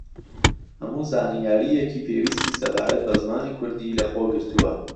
هەموو زانیارییەکی پێویستی سەبارەت بە زمانی کوردی لە خۆگرتووە